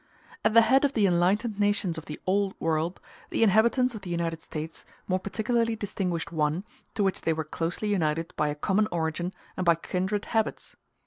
At the head of the enlightened nations of the Old World the inhabitants of the United States more particularly distinguished one, to which they were closely united by a common origin and by kindred habits.